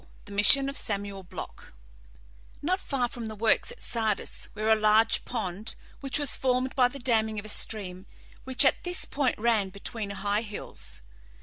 THE MISSION OF SAMUEL BLOCK Not far from the works at Sardis there was a large pond, which was formed by the damming of a stream which at this point ran between high hills.